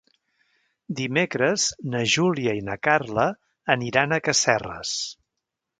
Dimecres na Júlia i na Carla aniran a Casserres.